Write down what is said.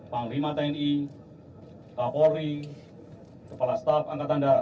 panglima tni kapolri kepala staf angkatan darat